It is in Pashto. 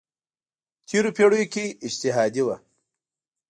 تېرو پېړیو کې اجتهادي وه.